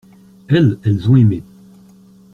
Elles, elles ont aimé.